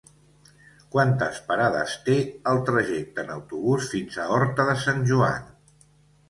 Quantes parades té el trajecte en autobús fins a Horta de Sant Joan?